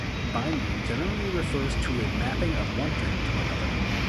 Binding generally refers to a mapping of one thing to another.